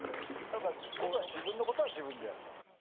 ただ僕は自分のことは自分でやる。